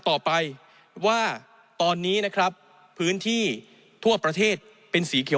ต่อไปว่าตอนนี้นะครับพื้นที่ทั่วประเทศเป็นสีเขียว